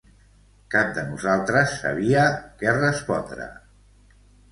Cap de nosaltres sabia què respondre.